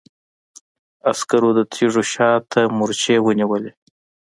عسکرو د تيږو شا ته مورچې ونيولې.